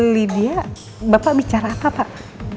lydia bapak bicara apa pak